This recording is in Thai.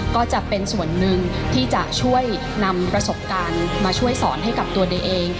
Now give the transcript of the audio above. ก็จะเป็นส่วนหนึ่งที่จะช่วยนำประสบการณ์มาช่วยสอนให้กับตัวเดย์เอง